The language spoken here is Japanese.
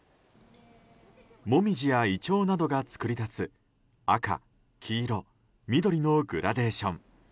モミジやイチョウなどが作り出す赤、黄色、緑のグラデーション。